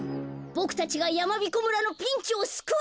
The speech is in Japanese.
ボクたちがやまびこ村のピンチをすくわないと。